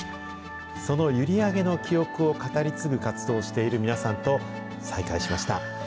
その閖上の記憶を語り継ぐ活動をしている皆さんと再会しました。